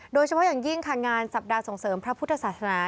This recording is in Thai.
โดยเฉพาะอย่างยิ่งค่ะงานสัปดาห์ส่งเสริมพระพุทธศาสนา